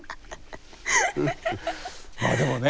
まあでもね